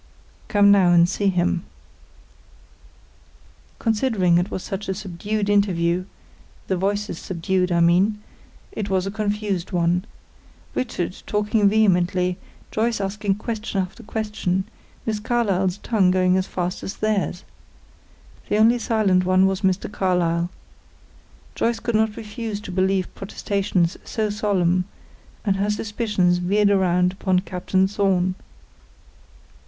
Come now and see him." Considering that it was a subdued interview the voices subdued, I mean it was a confused one. Richard talking vehemently, Joyce asking question after question, Miss Carlyle's tongue going as fast as theirs. The only silent one was Mr. Carlyle. Joyce could not refuse to believe protestations so solemn, and her suspicions veered round upon Captain Thorn.